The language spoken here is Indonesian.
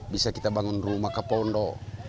bisa kita bangun rumah ke pondok